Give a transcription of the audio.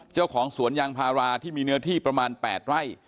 เจ้าของสวนยางพาราที่มีเนื้อที่ประมาณ๘ไร่